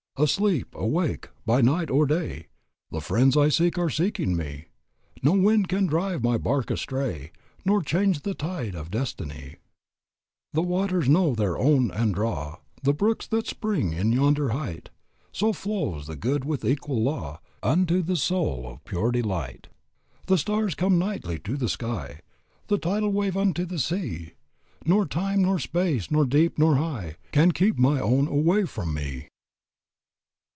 "Asleep, awake, by night or day, The friends I seek are seeking me; No wind can drive my bark astray, Nor change the tide of destiny. "The waters know their own, and draw The brooks that spring in yonder height; So flows the good with equal law Unto the soul of pure delight "The stars come nightly to the sky; The tidal wave unto the sea; Nor time, nor space, nor deep, nor high, Can keep my own away from me."